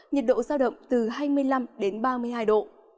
nhiệt độ giao động từ hai mươi năm đến ba mươi hai độ